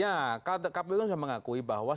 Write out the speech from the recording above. ya kpu sudah mengakui bahwa